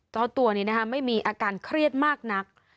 เจ้าตัวนี้ไม่มีอาการเครียดมากนัก